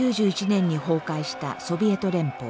１９９１年に崩壊したソビエト連邦。